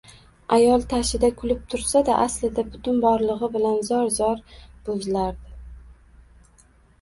Ayol tashida kulib tursa-da, aslida butun borlig`i bilan zor-zor bo`zlardi